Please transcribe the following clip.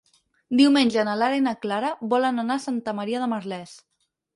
Diumenge na Lara i na Clara volen anar a Santa Maria de Merlès.